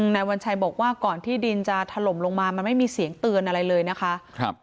นายวัญชัยบอกว่าก่อนที่ดินจะถล่มลงมามันไม่มีเสียงเตือนอะไรเลยนะคะ